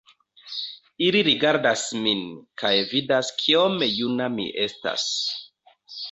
Ili rigardas min, kaj vidas kiom juna mi estas.